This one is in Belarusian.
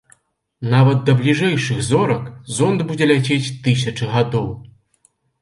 Нават да бліжэйшых зорак зонд будзе ляцець тысячы гадоў.